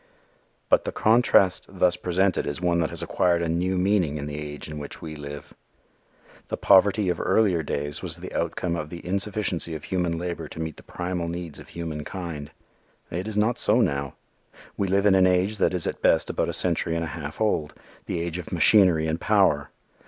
But the contrast thus presented is one that has acquired a new meaning in the age in which we live. The poverty of earlier days was the outcome of the insufficiency of human labor to meet the primal needs of human kind. It is not so now. We live in an age that is at best about a century and a half old the age of machinery and power.